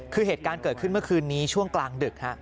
คือเหตุการณ์เกิดขึ้นเมื่อคืนนี้ช่วงกลางดึก